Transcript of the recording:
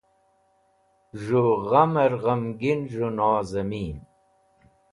z̃hu gham'er ghamgin z̃u nozmeen